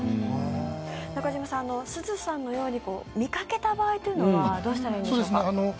中島さんすずさんのように見かけた場合はどうしたらいいんでしょうか。